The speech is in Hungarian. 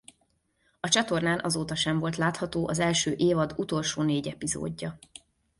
A csatornán azóta sem volt látható az első évad utolsó négy epizódja.